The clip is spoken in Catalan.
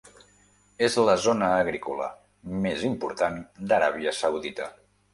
És la zona agrícola més important d'Aràbia saudita.